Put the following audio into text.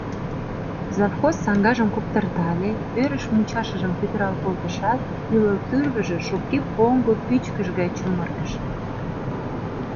Завхоз саҥгажым куптыртале, ӧрыш мучашыжым пӱтырал колтышат, ӱлыл тӱрвыжӧ шопке поҥго пӱчкыш гай чумыргыш.